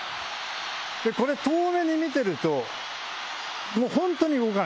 これ遠目に見てるとホントに動かない。